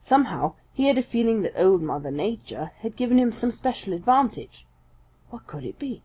Somehow he had a feeling that Old Mother Nature had given him some special advantage. What could it be?